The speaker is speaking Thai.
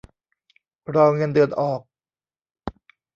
รอเงินเดือนออก